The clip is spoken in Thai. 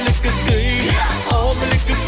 เตรียม